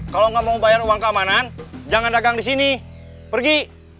kalau nggak mau bayar uang keamanan jangan dagang di sini pergi